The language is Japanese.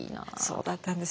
そうだったんですね。